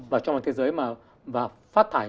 và cho một thế giới phát thải